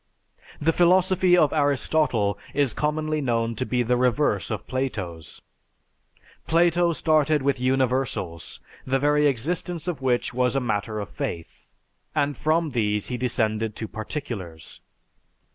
The philosophy of Aristotle is commonly known to be the reverse of Plato's. Plato started with universals, the very existence of which was a matter of faith, and from these he descended to particulars.